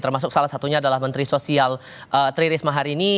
termasuk salah satunya adalah menteri sosial tri risma hari ini